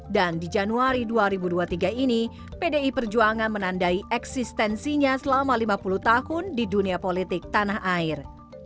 dan di januari dua ribu dua puluh tiga ini pdi perjuangan menandai eksistensinya selama lima puluh tahun di dunia politik tanah air